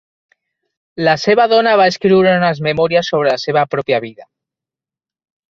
La seva dona va escriure unes memòries sobre la seva pròpia vida.